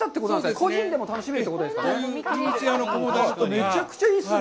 個人でも楽しめるということですね。